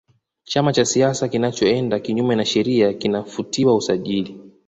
chama cha siasa kinachoenda kinyume na sheria kinafutiwa usajili